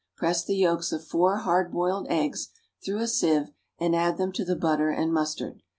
Press the yolks of four hard boiled eggs through a sieve and add them to the butter and mustard.